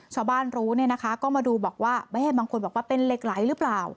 ชาวบ้านรู้เนี่ยนะคะก็มาดูบอกว่าบางคนบอกว่าเป็นเหล็กไหลหรือเปล่า